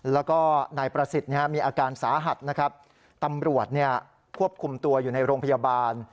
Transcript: แล้วก็นายประสิทธิ์มีอาการสาหัสนะครับตำรวจควบคุมตัวอยู่ในโรงพยาบาล